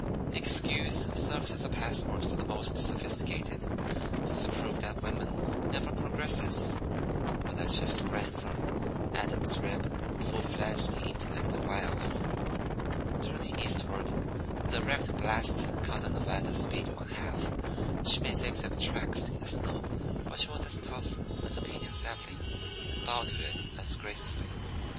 The excuse serves as a passport for the most sophisticated. Does it prove that woman never progresses, or that she sprang from Adam's rib, full fledged in intellect and wiles? Turning eastward, the direct blast cut down Nevada's speed one half. She made zigzag tracks in the snow; but she was as tough as a piñon sapling, and bowed to it as gracefully.